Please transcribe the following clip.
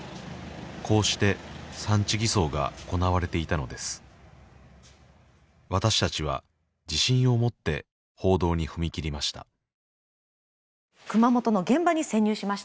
こうして産地偽装が行われていたのです私たちは自信を持って報道に踏み切りました熊本の現場に潜入しました